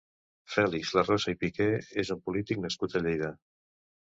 Fèlix Larrosa i Piqué és un polític nascut a Lleida.